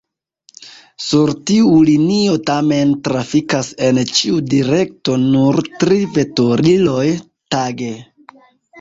Sur tiu linio tamen trafikas en ĉiu direkto nur tri veturiloj tage.